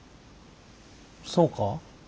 そうか？